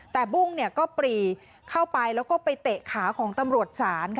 แต่บุ้งก็ปรีเข้าไปแล้วก็ไปเตะขาของตำรวจศาล